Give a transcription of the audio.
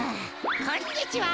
こんにちは！